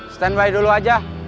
standby dulu aja